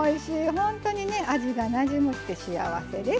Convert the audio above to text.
本当にね味がなじむって幸せです。